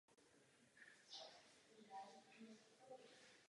Zprostředkování kromě toho odkryje korupční mechanismus, který ovládá zimbabwská vláda.